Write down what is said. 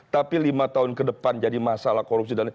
tapi lima tahun ke depan jadi masalah korupsi